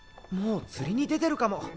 もう釣りに出てるかも。